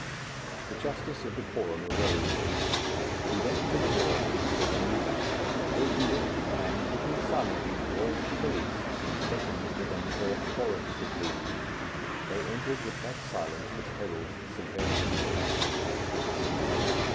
The justice of the quorum arose. He went to the door, which was only latched, opened it, and, looking silently towards the police, beckoned to them authoritatively. They entered with that silence which heralds severity of action.